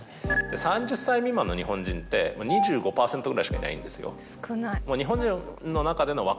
３０歳未満の日本人って２５％ぐらいしかいないんですよ。